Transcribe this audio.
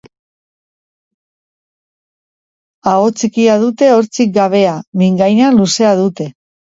Aho txikia dute, hortzik gabea; mingaina luzea dute.